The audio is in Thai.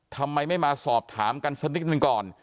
ทำไมไม่มาสอบถามกันสักนิดหนึ่งก่อน